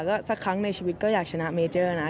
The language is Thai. ก็สักครั้งในชีวิตก็อยากชนะเมเจอร์นะ